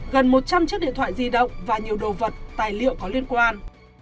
gần một trăm linh chiếc điện thoại di động và nhiều đồ vật tài liệu có liên quan